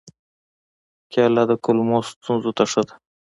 کېله د کولمو ستونزو ته ښه ده.